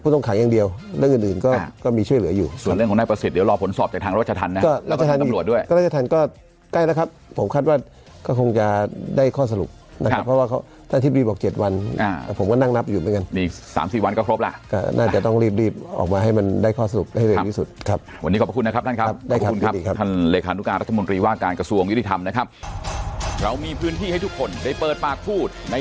ต้องขังอย่างเดียวเรื่องอื่นอื่นก็ก็มีช่วยเหลืออยู่ครับส่วนเรื่องของน่าประสิทธิ์เดี๋ยวรอผลสอบจากทางรัชทันนะครับก็รัชทันก็ใกล้แล้วครับผมคาดว่าก็คงจะได้ข้อสรุปนะครับเพราะว่าเขาท่านทิศดีบอกเจ็ดวันอ่าผมก็นั่งนับอยู่ด้วยกันนี่สามสี่วันก็ครบล่ะอ่ะน่าจะต้องรีบรีบออกมาให้มันได้